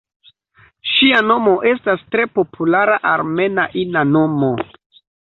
Ŝia nomo estas tre populara armena ina nomo.